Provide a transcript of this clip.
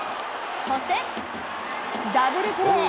そして、ダブルプレー。